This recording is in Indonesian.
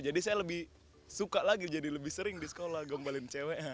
saya lebih suka lagi jadi lebih sering di sekolah gombalin cewek